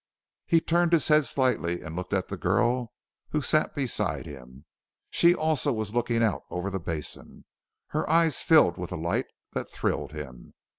He turned his head slightly and looked at the girl who sat beside him. She also was looking out over the basin, her eyes filled with a light that thrilled him.